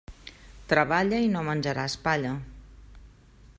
Treballa i no menjaràs palla.